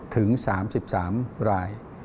ถึง๓๓ราย